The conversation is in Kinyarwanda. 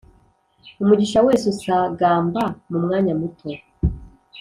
umugisha we usagamba mu mwanya muto